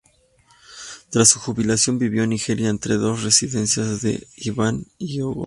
Tras su jubilación, vivió en Nigeria entre sus dos residencias de Ibadán y Ago-Odo.